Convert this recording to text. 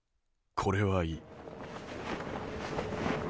これはいい。